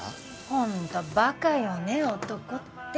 本当バカよね男って。